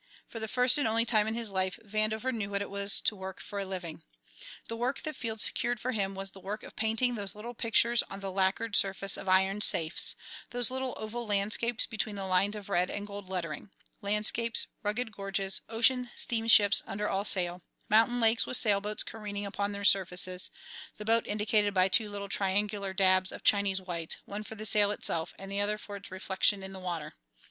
For the first and only time in his life Vandover knew what it was to work for a living. The work that Field secured for him was the work of painting those little pictures on the lacquered surface of iron safes, those little oval landscapes between the lines of red and gold lettering landscapes, rugged gorges, ocean steamships under all sail, mountain lakes with sailboats careening upon their surfaces, the boat indicated by two little triangular dabs of Chinese white, one for the sail itself and the other for its reflection in the water.